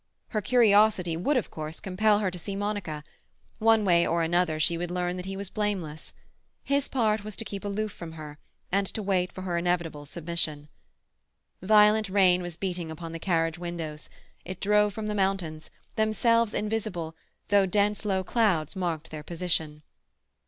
Her curiosity would, of course, compel her to see Monica; one way or another she would learn that he was blameless. His part was to keep aloof from her, and to wait for her inevitable submission. Violent rain was beating upon the carriage windows; it drove from the mountains, themselves invisible, though dense low clouds marked their position.